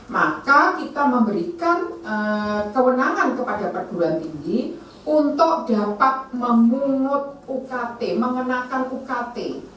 maka kita memberikan kewenangan kepada perguruan tinggi untuk dapat memungut ukt mengenakan ukt